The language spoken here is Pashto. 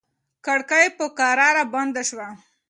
کړکۍ په کراره بنده شوه.